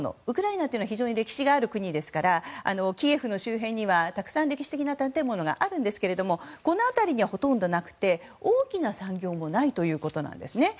ウクライナは非常に歴史がある国ですからキエフの周辺にはたくさん歴史的な建物があるんですがこの辺りにはほとんどなくて大きな産業もないということです。